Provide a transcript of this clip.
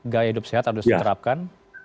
gaya hidup sehat harus diterapkan